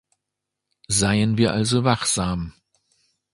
Seien wir also wachsam.